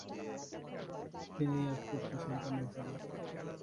তিনি এক পুত্র সন্তানের জনক।